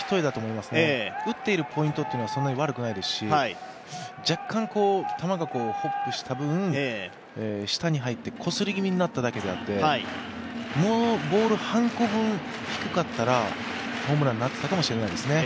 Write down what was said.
打っているポイントが悪くないですし若干、球がホップした分、下に入ってこすり気味になっただけであってもうボール半個分低かったらホームランになっていたかもしれないですね。